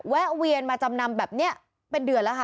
แวนมาจำนำแบบนี้เป็นเดือนแล้วค่ะ